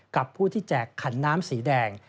กับผู้ที่แจกขันน้ำสีแดง